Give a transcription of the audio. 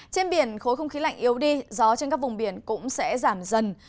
trên biển khối không khí lạnh yếu đi gió trên các vùng biển cũng sẽ giảm dần